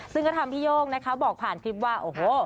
ซึ่งก็ทำพี่โย่งนะคะบอกผ่านคลิปว่าโอ้โห